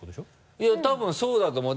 いや多分そうだと思う。